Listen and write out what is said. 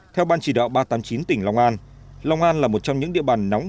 theo ban chỉ đạo ba trăm tám mươi chín tỉnh long an long an là một trong những địa bàn nóng